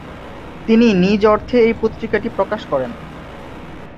তিনি নিজ অর্থে এই পত্রিকাটি প্রকাশ করেন।